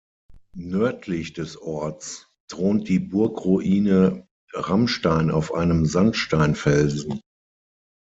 Nördlich des Orts thront die Burgruine Ramstein auf einem Sandsteinfelsen.